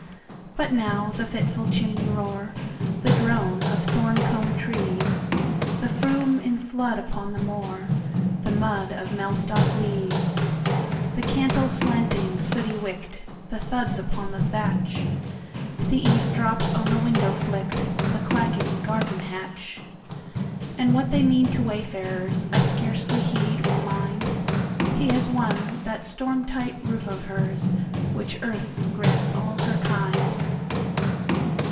But now the fitful chimney roar, The drone of Thorncombe trees, The Froom in flood upon the moor, The mud of Mellstock Leaze, The candle slanting sooty wick'd, The thuds upon the thatch, The eaves drops on the window flicked, The clacking garden hatch, And what they mean to wayfarers,I scarcely heed or mind; He has won that storm tight roof of hersWhich Earth grants all her kind.